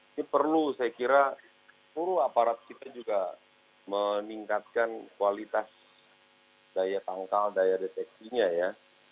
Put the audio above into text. ini perlu saya kira seluruh aparat kita juga meningkatkan kualitas daya tangkal daya deteksinya ya